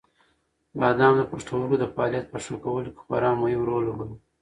بادام د پښتورګو د فعالیت په ښه کولو کې خورا مهم رول لوبوي.